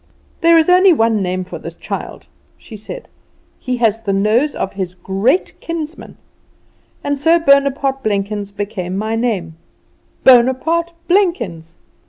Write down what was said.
'There is only one name for this child,' she said: 'he has the nose of his great kinsman;' and so Bonaparte Blenkins became my name Bonaparte Blenkins.